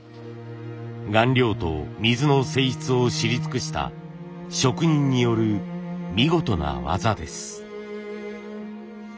顔料と水の性質を知り尽くした職人による見事な技です。